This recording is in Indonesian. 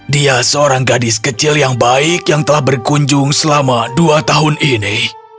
dia seorang gadis kecil yang baik yang telah berkunjung selama dua tahun ini